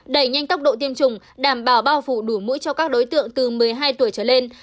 đẩy nhanh tốc độ tiêm chủng đảm bảo bao phủ đủ mũi cho các đối tượng từ một mươi hai tuổi trở lên